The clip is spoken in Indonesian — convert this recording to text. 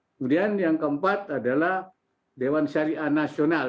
kemudian yang keempat adalah dewan syariah nasional